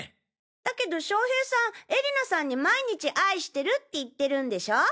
だけど将平さん絵里菜さんに毎日「愛してる」って言ってるんでしょ？